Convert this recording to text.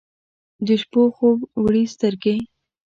د شپو خوب وړي سترګې